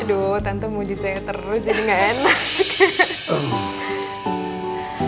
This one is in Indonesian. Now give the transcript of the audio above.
aduh tentu muji saya terus jadi gak enak